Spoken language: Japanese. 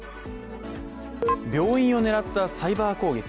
病院を狙ったサイバー攻撃。